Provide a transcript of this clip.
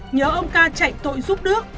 nhớ ông ca chạy tội giúp đức